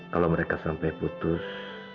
kalau mereka sampai putus